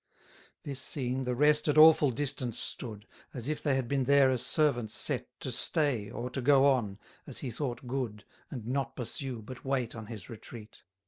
95 This seen, the rest at awful distance stood: As if they had been there as servants set To stay, or to go on, as he thought good, And not pursue, but wait on his retreat.